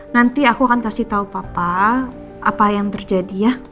nanti aku akan kasih tahu papa apa yang terjadi ya